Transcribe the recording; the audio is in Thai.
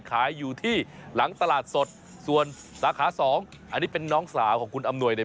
ขายอยู่ที่หลังตลาดสดส่วนสาขาสองอันนี้เป็นน้องสาวของคุณอำนวยเนี่ย